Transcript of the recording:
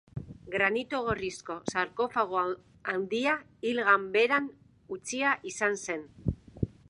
Granito gorrizko sarkofago handia hil ganberan utzia izan zen.